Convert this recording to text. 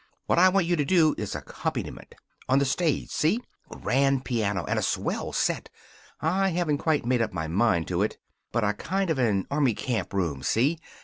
What I want you to do is accompaniment. On the stage, see? Grand piano. And a swell set. I haven't quite made up my mind to it. But a kind of an army camp room, see?